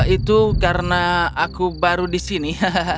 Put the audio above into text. itu karena aku baru di sini